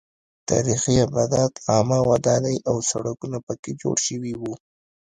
تاریخي ابدات عامه ودانۍ او سړکونه پکې جوړ شوي وو.